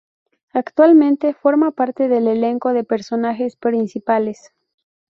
Actualmente forma parte del elenco de personajes principales.